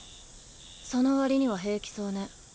その割には平気そうね。